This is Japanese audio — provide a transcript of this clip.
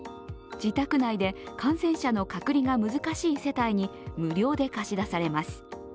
自宅内で感染者の隔離が難しい世帯に無料で貸し出されます。